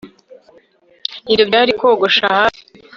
ibyo byari kogosha hafi